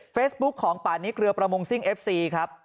เฟซบุ๊กของป่านิเกลือประมงซิ่งเอฟซีครับ